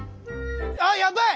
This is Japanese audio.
ああやばい！